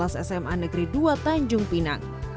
sma negeri dua tanjung pinang